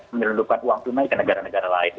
menyelundupkan uang tunai ke negara negara lain